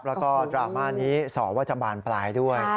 แล้วก็ดราม่านี้สอว่าจะบานปลายด้วย